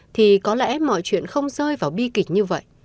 thì có lẽ mọi chuyện không rơi vào bi kịch như vậy